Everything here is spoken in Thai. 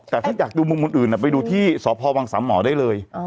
แต่ถ้าอยากดูมุมอื่นไปดูที่สพวังสามหมอได้เลย